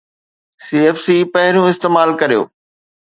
CFC پهريون استعمال ڪريو